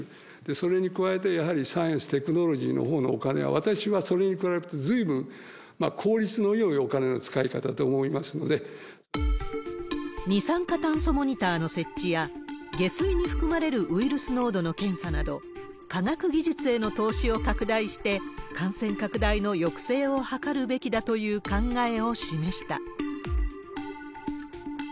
それに加えて、やはりサイエンステクノロジーのほうのお金は、私はそれに比べるとずいぶん効率のよいお金の使い方だと思います二酸化炭素モニターの設置や、下水に含まれるウイルス濃度の検査など、科学技術への投資を拡大して、感染拡大の抑制を図るべきだという考えを示した。